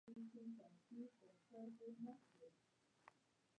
محمد وېس مهربان ټینګار وکړ.